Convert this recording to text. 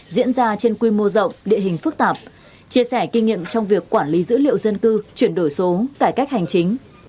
diễn ra trên quy mô rộng địa hình phức tạp chia sẻ kinh nghiệm trong việc quản lý dữ liệu dân cư chuyển đổi số cải cách hành chính